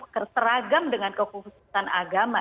keteragam dengan kekhususan agama